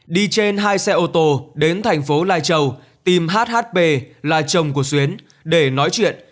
đi trên hai xe ô tô đến thành phố lai châu tìm hhp là chồng của xuyến để nói chuyện